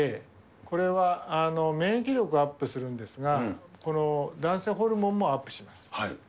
これは免疫力アップするんですが、男性ホルモンもアップします。